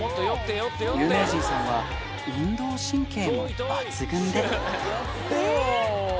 有名人さんは運動神経も抜群で。